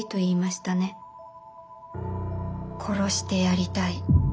「殺してやりたい」。